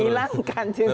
hilang kan justru